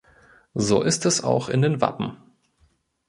So ist es auch in den Wappen.